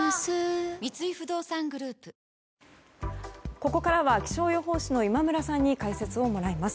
ここからは気象予報士の今村さんに解説をもらいます。